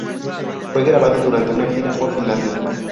Fue grabado durante una gira por Finlandia.